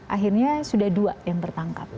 akhirnya sudah dua yang tertangkap